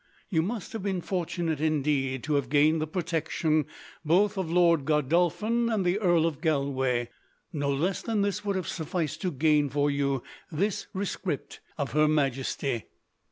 You must have been fortunate, indeed, to have gained the protection both of Lord Godolphin and the Earl of Galway. No less than this would have sufficed to gain for you this rescript of Her Majesty.